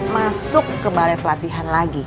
masuk ke balai pelatihan lagi